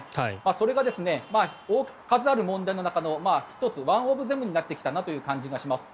それが数ある問題の中の１つワンオブゼムになってきたなという感じがします。